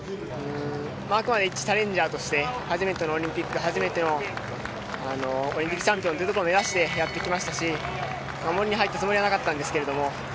あくまで１チャレンジャーとして初めてのオリンピック初めてのオリンピックチャンピオンというところを目指してやってきましたし守りに入ったつもりはなかったんですけど